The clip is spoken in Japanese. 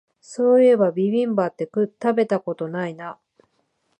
そういえばビビンバって食べたことないな